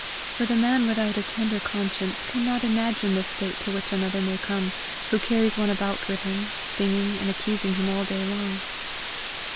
For the man without a tender conscience, cannot imagine the state to which another may come, who carries one about with him, stinging and accusing him all day long.